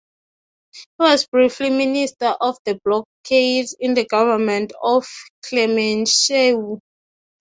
He was briefly Minister of Blockade in the government of Clemenceau.